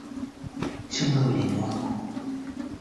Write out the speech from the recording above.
Ufaransa ulianza kwa siri kutuma silaha kwa Wamarekani